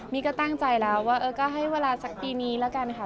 นี่ก็ตั้งใจแล้วว่าก็ให้เวลาสักปีนี้แล้วกันค่ะ